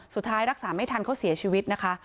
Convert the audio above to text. สุดท้ายรักษาไม่ทันเขาเสียชีวิตนะคะ